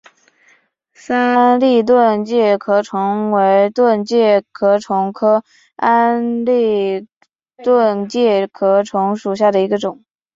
桑安蛎盾介壳虫为盾介壳虫科安蛎盾介壳虫属下的一个种。